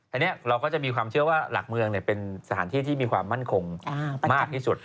อันนี้เราก็จะมีความเชื่อว่าหลักเมืองเป็นสถานที่ที่มีความมั่นคงมากที่สุด